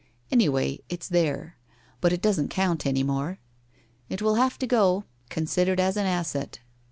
Any way it's there. But it doesn't count any more. It will have to go, considered as an asset.